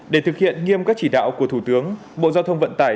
để thực hiện nghiêm các chỉ đạo của thủ tướng bộ giao thông vận tải